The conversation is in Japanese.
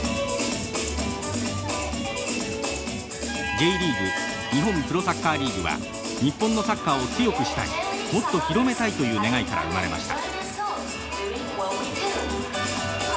Ｊリーグ日本プロサッカーリーグは日本のサッカーを強くしたいもっと広めたいという願いから生まれました。